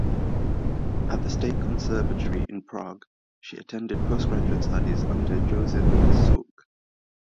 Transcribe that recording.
At the State Conservatory in Prague, she attended postgraduate studies under Josef Suk.